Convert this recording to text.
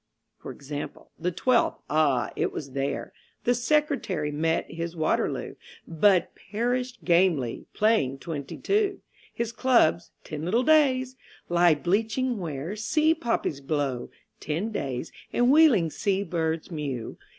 e.g., the twelfth: ah, it was there The Secretary met his Waterloo, But perished gamely, playing twenty two; His clubs (ten little days!) lie bleaching where Sea poppies blow (ten days) and wheeling sea birds mew....